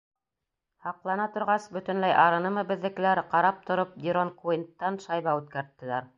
Һаҡлана торғас, бөтөнләй арынымы беҙҙекеләр, ҡарап тороп Дерон Куинттан шайба үткәрттеләр.